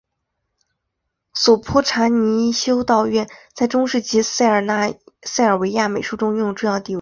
索泼查尼修道院在中世纪塞尔维亚美术中拥有重要地位。